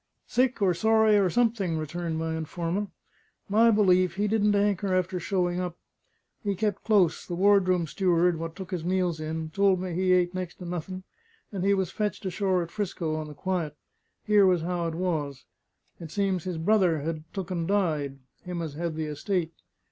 "Sick, or sorry, or something," returned my informant. "My belief, he didn't hanker after showing up. He kep' close; the ward room steward, what took his meals in, told me he ate nex' to nothing; and he was fetched ashore at 'Frisco on the quiet. Here was how it was. It seems his brother had took and died, him as had the estate.